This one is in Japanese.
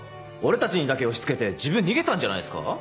俺たちにだけ押し付けて自分逃げたんじゃないっすか？